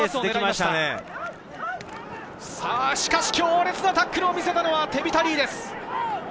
しかし強烈なタックルを見せたのはテビタ・リーです。